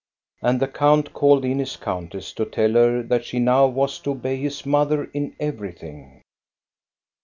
And the count called in his countess to tell her that she now was to obey his mother in everything.